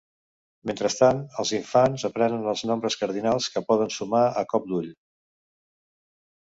Mentrestant, els infants aprenen els nombres cardinals que poden sumar a cop d'ull.